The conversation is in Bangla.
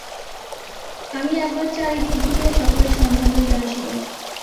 আমি একবার চারিদিক ঘুরিয়া সকলের সন্ধান লইয়া আসিব।